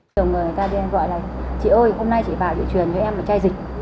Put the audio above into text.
nhiều người người ta đem gọi là chị ơi hôm nay chị vào để truyền cho em truyền dịch